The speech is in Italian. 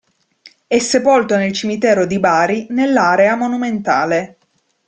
È sepolto nel cimitero di Bari nell'area Monumentale.